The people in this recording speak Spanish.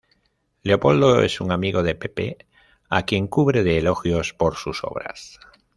Leopoldo es un amigo de Pepe a quien cubre de elogios por sus obras.